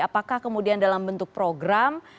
apakah kemudian dalam bentuk program